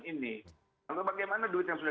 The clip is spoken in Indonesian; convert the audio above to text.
ini lalu bagaimana duit yang sudah